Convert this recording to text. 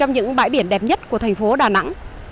những bãi biển đẹp nhất của thành phố đà nẵng